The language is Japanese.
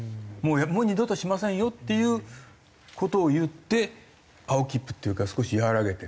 「もう二度としませんよ」っていう事を言って青切符っていうか少しやわらげてる。